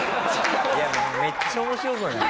いやでもめっちゃ面白くない？